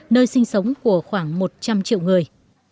nơi sinh sống của khoảng một trăm linh triệu người